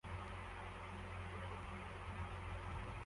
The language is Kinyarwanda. Umugore yicaye afite igikapu cye